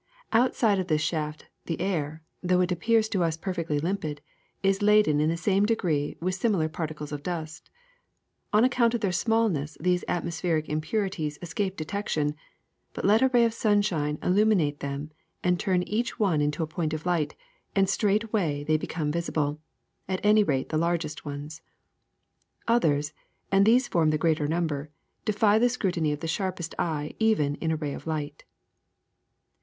Outside of this shaft the air, though it appears to us perfectly limpid, is laden in the same degree with similar particles of dust. On account of their smallness these atmospheric impurities escape detec tion; but let a ray of sunshine illuminate them and turn each one into a point of light, and straightway they become visible, at any rate the largest ones. Others, and these form the greater number, defy the scrutiny of the sharpest eye even in a ray of light.